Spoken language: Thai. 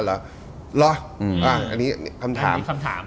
แล้วอันนี้คำถาม